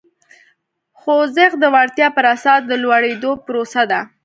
خوځښت د وړتیا پر اساس د لوړېدو پروسه ده.